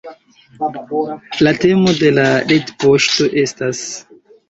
La temo de la retpoŝto estas